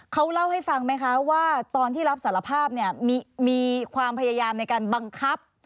เขาเล่าให้ฟังไหมคะว่าตอนที่รับสารภาพเนี่ยมีความพยายามในการบังคับ